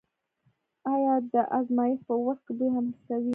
آیا د ازمایښت په وخت کې بوی هم حس کوئ؟